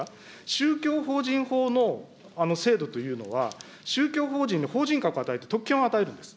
宗教法人法の制度というのは、宗教法人の法人格を与えて特権を与えるんです。